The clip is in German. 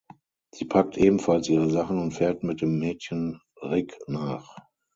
Sie packt ebenfalls ihre Sachen und fährt mit den Mädchen Rick nach.